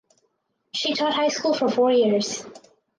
She taught high school for four years.